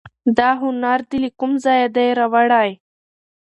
دا هنر دي له کوم ځایه دی راوړی